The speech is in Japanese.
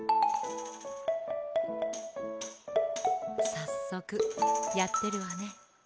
さっそくやってるわね。